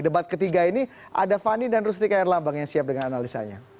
debat ketiga ini ada fanny dan rusti k erlambang yang siap dengan analisanya